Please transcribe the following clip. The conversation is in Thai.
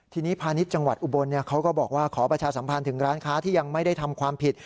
ทีนี้พาณิชย์จังหวัดอุบลเขาก็บอกว่าขอประชาสัมพันธ์ถึงร้านค้าที่ยังไม่ได้ทำความผิด